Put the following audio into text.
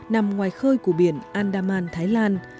nằm ngoài khơi của biển andaman thái lan